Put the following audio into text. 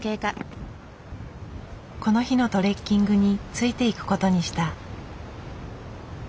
この日のトレッキングについていくことにした。